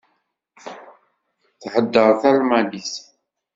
Theddeṛ talmanit.